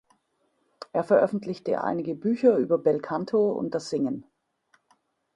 Er veröffentlichte einige Bücher über Belcanto und das Singen.